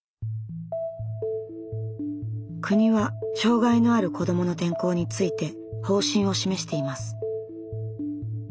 国は障害のある子どもの転校について方針を示しています。